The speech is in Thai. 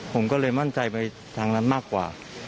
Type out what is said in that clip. ผมก็เลยมั่นใจไปทางนั้นมากกว่า